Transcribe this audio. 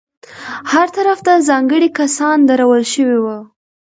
هر طرف ته ځانګړي کسان درول شوي وو.